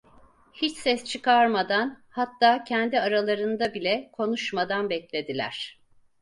Hiç ses çıkarmadan, hatta kendi aralarında bile konuşmadan beklediler.